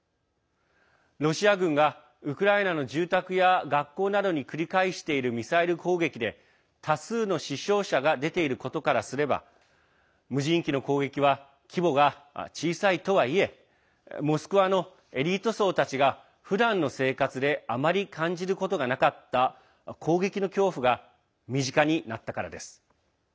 ロシア軍が、ウクライナの住宅や学校などに繰り返しているミサイル攻撃で、多数の死傷者が出ていることからすれば無人機の攻撃は規模が小さいとはいえモスクワのエリート層たちがふだんの生活であまり感じることがなかった攻撃の恐怖が身近になったからです。